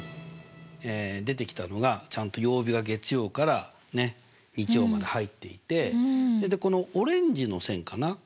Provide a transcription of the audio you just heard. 出てきたのがちゃんと曜日が月曜から日曜まで入っていてでこのオレンジの線かな？